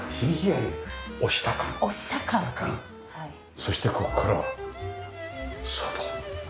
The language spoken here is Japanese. そしてここからは外。